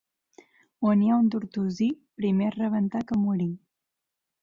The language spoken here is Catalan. On hi ha un tortosí, primer rebentar que morir.